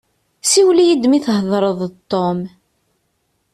Siwel-iyi-d mi thedreḍ d Tom.